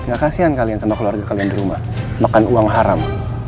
gak kasian kalian sama keluarga kalian di rumah makan uang haram